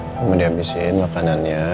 aku mau dihabisin makanannya